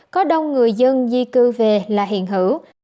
có đông người dân di cư về là hiện hữu